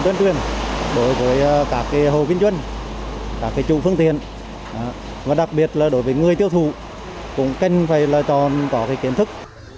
đối với các hồ kinh doanh các chủ phương tiện và đặc biệt là đối với người tiêu thụ cũng kênh phải lựa chọn có kiến thức